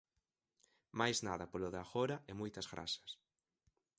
Máis nada polo de agora e moitas grazas.